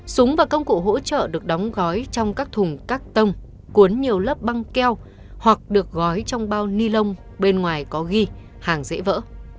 súng và công cụ hỗ trợ được đóng gói trong các thùng cắt tông cuốn nhiều lớp băng keo hoặc được gói trong bao ni lông bên ngoài có ghi hàng dễ vỡ